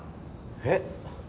えっ？